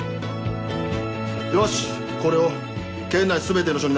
よしこれを県内全ての署に流せ。